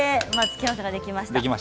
付け合わせができました。